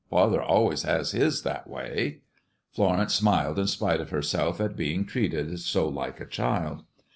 Father always has his that way." Florence smiled in spite of herself at being treated so like a child.